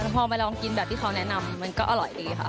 พอมาลองกินแบบที่เขาแนะนำมันก็อร่อยดีค่ะ